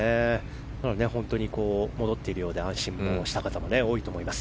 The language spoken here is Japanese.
戻っているようで安心した方も多いと思います。